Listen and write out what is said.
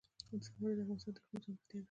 زمرد د افغانستان د اقلیم ځانګړتیا ده.